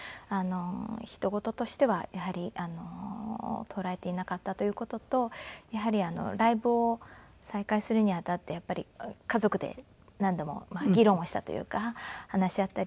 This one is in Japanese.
ひとごととしてはやはり捉えていなかったという事とやはりライブを再開するにあたって家族で何度も議論をしたというか話し合ったりもしていたので。